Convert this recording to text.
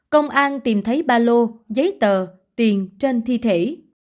công an tìm thấy ba lô giấy tờ tiền trên thi thể